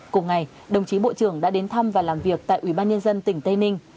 cùng ngày đồng chí bộ trưởng đã đến thăm và làm việc tại ubnd tỉnh tây ninh